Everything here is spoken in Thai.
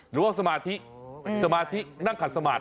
หรือว่าสมาธิสมาธินั่งขัดสมาธิ